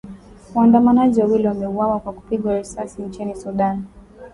Waandamanaji wawili wameuawa kwa kupigwa risasi nchini Sudan